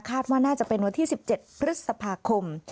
ว่าน่าจะเป็นวันที่๑๗พฤษภาคม